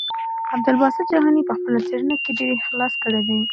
عبدالباسط جهاني په خپله څېړنه کې ډېر اخلاص کړی دی.